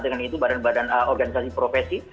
yaitu badan badan organisasi profesi